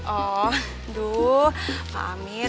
aduh pak amir